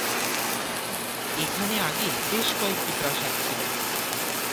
এখানে আগে বেশ কয়টি প্রাসাদ ছিল।